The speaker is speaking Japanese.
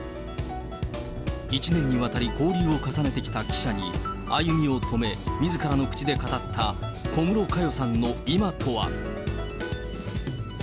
１年にわたり交流を重ねてきた記者に、歩みを止め、みずからの口で語った、小室佳代さんの今とは。